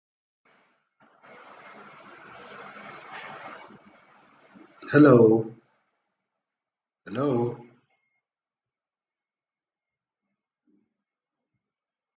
He also coached the soccer team.